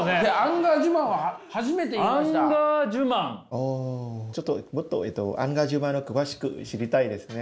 あちょっともっとアンガージュマン詳しく知りたいですね。